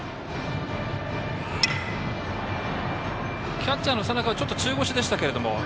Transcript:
キャッチャーの佐仲はちょっと中腰でしたけども。